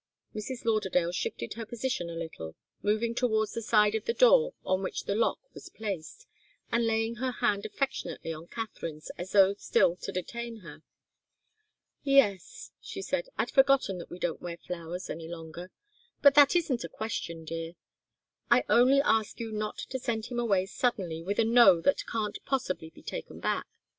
Mrs. Lauderdale shifted her position a little, moving towards the side of the door on which the lock was placed, and laying her hand affectionately on Katharine's, as though still to detain her. "Yes," she said, "I'd forgotten that we don't wear flowers any longer. But that isn't the question, dear. I only ask you not to send him away suddenly, with a 'no' that can't possibly be taken back.